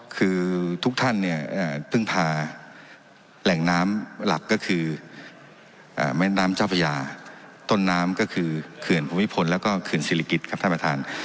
คือทุกท่านเนี่ยเพิ่งพาแหล่งน้ำหลักก็คือแม่น้ำเจ้าพญาต้นน้ำก็คือเขื่อนภูมิพลแล้วก็เขื่อนศิริกิจครับท่านประธาน